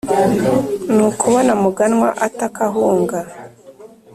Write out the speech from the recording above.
ni ukubona muganwa ataka ahunga,